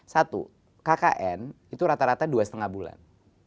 satu kkn itu rata rata dua lima bulan